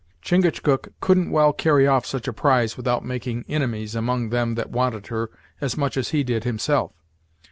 Chingachgook couldn't well carry off such a prize without making inimies among them that wanted her as much as he did himself.